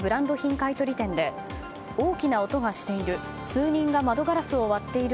買い取り店で大きな音がしている。